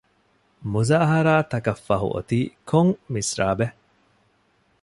މުޒާހަރާތަކަށް ފަހު އޮތީ ކޮން މިސްރާބެއް؟